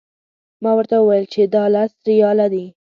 ما ورته وویل چې دا لس ریاله دي.